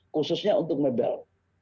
khususnya untuk mebel